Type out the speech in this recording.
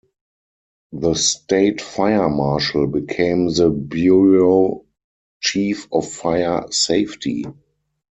The State Fire Marshal became the Bureau Chief of Fire Safety.